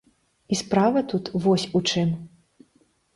І справа тут вось у чым.